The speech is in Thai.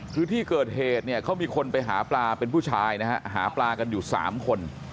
คือที่เกิดเหตุเนี่ยเขามีคนไปหาปลาเป็นผู้ชายนะฮะหาปลากันอยู่๓คน